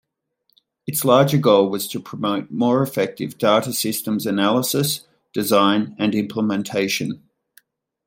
Its larger goal was to promote more effective data systems analysis, design, and implementation.